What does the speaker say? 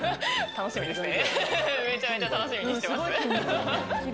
楽しみですね。